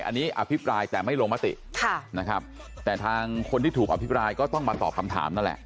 อันนี้อภิปรายแต่ไม่ลงมติค่ะนะครับแต่ทางคนที่ถูกอภิปรายก็ต้องมาตอบคำถามนั่นแหละ